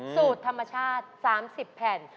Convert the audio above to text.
สูตรธรรมชาติ๓๐แผ่น